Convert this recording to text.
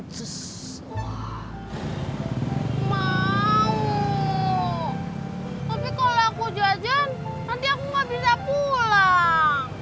terus wah mau tapi kalau aku jajan nanti aku nggak bisa pulang